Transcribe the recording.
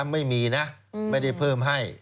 ไม่มีนะไม่ได้เพิ่มให้